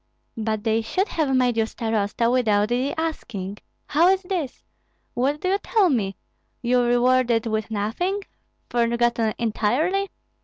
"But they should have made you starosta without the asking. How is this? What do you tell me? You rewarded with nothing, forgotten entirely?